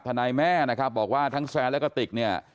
ทนายแม่นะครับบอกว่าทั้งแซนและกระติกเนี่ย